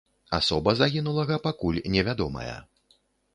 Асоба загінулага пакуль не вядомая.